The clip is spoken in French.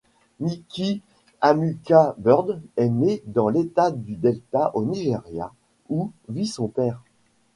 Nikki Amuka-Bird est née dans l'État du Delta au Nigeria où vit son père.